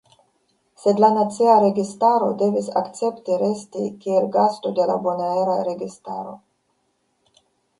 Sed la nacia registaro devis akcepti resti kiel gasto de la bonaera registaro.